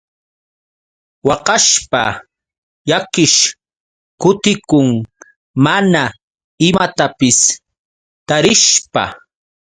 Waqashpa llakiish kutikun mana imatapis tarishpa.